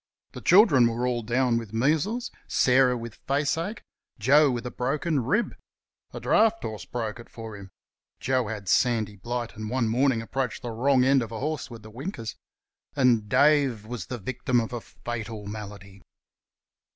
The children were all down with measles, Sarah with face ache, Joe with a broken rib a draught horse broke it for him (Joe had sandy blight, and one morning approached the wrong end of a horse with the winkers), and Dave was the victim of a fatal malady.